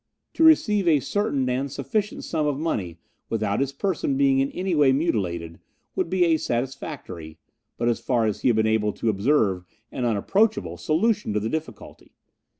To receive a certain and sufficient sum of money without his person being in any way mutilated would be a satisfactory, but as far as he had been able to observe an unapproachable, solution to the difficulty.